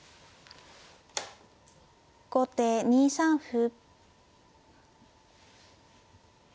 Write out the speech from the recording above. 後手２三歩。